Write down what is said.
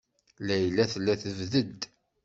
Layla tella tebded.